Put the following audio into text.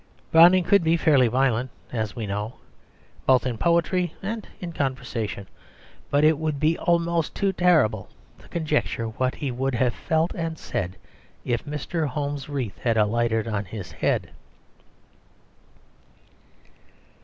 Browning could be fairly violent, as we know, both in poetry and conversation; but it would be almost too terrible to conjecture what he would have felt and said if Mr. Home's wreath had alighted on his head.